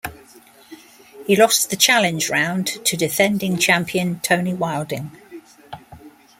He lost the Challenge Round to defending champion Tony Wilding.